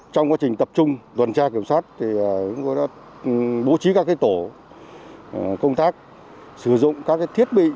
trong quá trình tập trung tuần tra kiểm soát chúng tôi đã bố trí các tổ công tác sử dụng các thiết bị